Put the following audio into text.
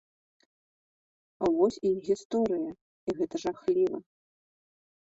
Вось іх гісторыя, і гэта жахліва.